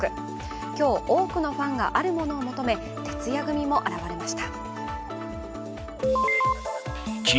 今日、多くのファンがあるものを求め、徹夜組も現れました。